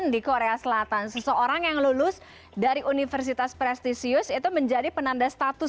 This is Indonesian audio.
di korea selatan seseorang yang lulus dari universitas prestisius itu menjadi penanda status